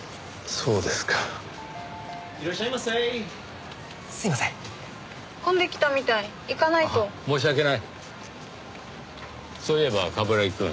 そういえば冠城くん。